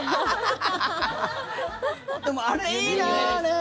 でも、あれ、いいなあ！